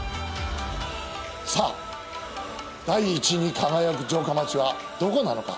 さあ第１位に輝く城下町はどこなのか？